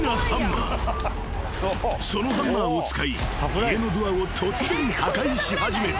［そのハンマーを使い家のドアを突然破壊し始めた］